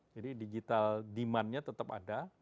jadi digital demandnya tetap ada